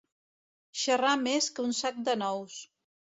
Xerrar més que un sac de nous.